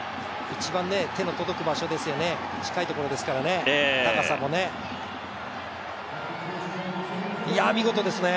一番手の届く場所ですよね近いとこですよね、高さもね。